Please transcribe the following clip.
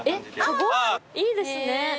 いいですね。